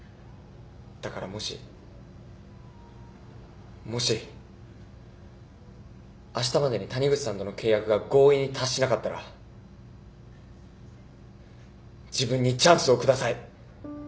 だからもしもしあしたまでに谷口さんとの契約が合意に達しなかったら自分にチャンスを下さい。